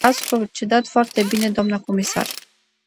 Ați procedat foarte bine, dnă comisar.